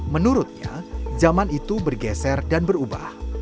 menurutnya zaman itu bergeser dan berubah